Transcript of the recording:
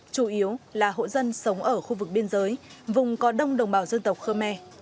chủ yếu là hộ dân sống ở khu vực biên giới vùng có đông đồng bào dân tộc khơ me